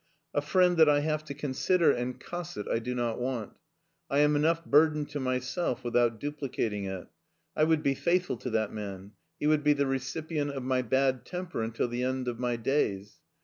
A friend that I ti 114 MARTIN SCHtJLER; have to consider and cosset I do not want I am enough burden to myself without duplicating it I would be faithful to that man; he would be the recip ient of my bad temper until the end of my days.